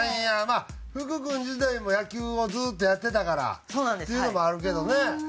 まあ福君自体も野球をずっとやってたからっていうのもあるけどね。